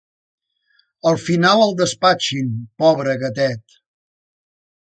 Al final el despatxin, pobre gatet.